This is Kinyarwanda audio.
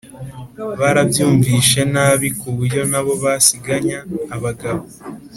barabyumvishe nabi ku buryo nabo basiganya abagabo